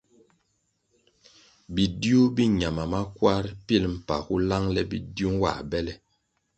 Bidiu bi ñama makwar pilʼ mpagu langʼle bidiu nwā bele.